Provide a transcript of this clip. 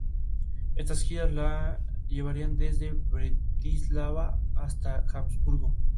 Estas giras le llevarían desde Bratislava hasta a Hamburgo.